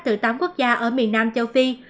từ tám quốc gia ở miền nam châu phi